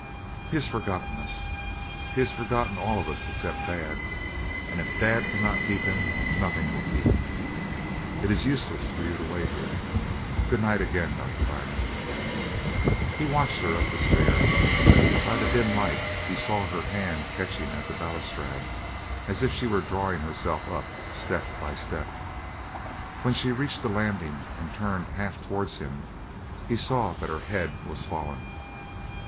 "He has forgotten us. He has forgotten all of us except Dad. And if Dad cannot keep him, nothing will keep him. It's useless for you to wait here. Good night again, Doctor Byrne." He watched her up the stairs. By the dim light he saw her hand catching at the balustrade as if she were drawing herself up, step by step. When she reached the landing and turned half towards him, he saw that her head was fallen.